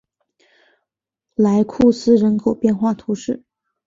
莱库斯人口变化图示